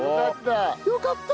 よかった！